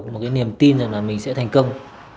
một cái niềm tin rằng là mình sẽ thành công